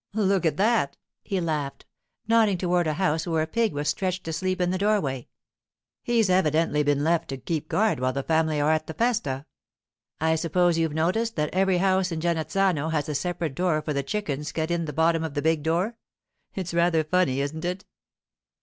'Look at that,' he laughed, nodding toward a house where a pig was stretched asleep in the doorway. 'He's evidently been left to keep guard while the family are at the festa. I suppose you've noticed that every house is Genazzano has a separate door for the chickens cut in the bottom of the big door. It's rather funny, isn't it?